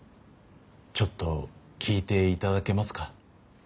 ちょっと聞いていただけますか。